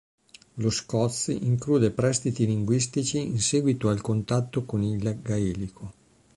Lo scots include prestiti linguistici in seguito al contatto con il gaelico.